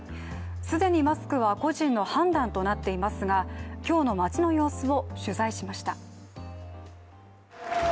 既にマスクは個人の判断となっていますが今日の街の様子を取材しました。